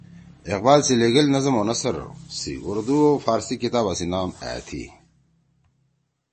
اقبال سی لیِگیل نظم او نثر سی اُردو او فارسی کِتابا سی نام: